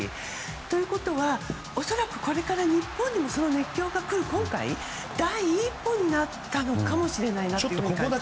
ということは恐らく、これから日本にもその熱狂が来る今回、第一歩になったのかもしれないなと。